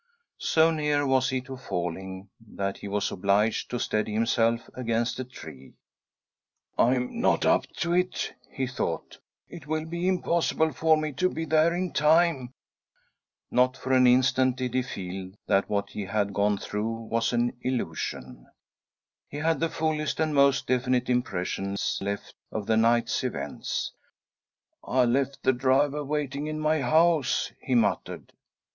So near was he to falling, that he was obliged to steady himself against a tree. —" I am not up to it," he thought. " It will be impossible for me to be there ia time." Not for an instant did he feel that what he had gone through was an illusion — he had the fullest i8a •.■'—.■.:.■"'"..■..■■• THE DRIVER'S PRAYER I83 >~ and most definite impressions left of the night's events. * "I left the driver waiting in my house," he muttered he.